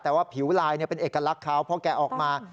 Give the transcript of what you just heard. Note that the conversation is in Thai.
แต่ว่าผิวลายเป็นเอกลักษณ์เขาเพราะแกออกมา